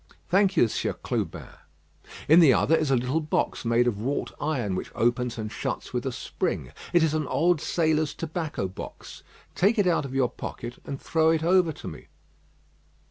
"Thank you, Sieur Clubin." "In the other is a little box made of wrought iron, which opens and shuts with a spring. It is an old sailor's tobacco box. Take it out of your pocket, and throw it over to me."